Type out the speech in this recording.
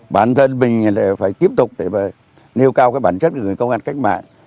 bản thân mình phải tiếp tục nêu cao bản chất của người công an cách mạng